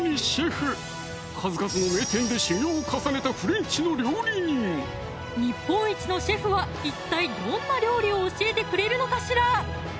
数々の名店で修業を重ねた日本一のシェフは一体どんな料理を教えてくれるのかしら？